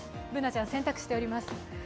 Ｂｏｏｎａちゃん、洗濯しています。